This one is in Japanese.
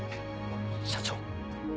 社長。